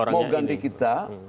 mau ganti kita